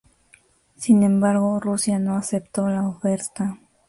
Sin embargo, Rusia no acepto la oferta.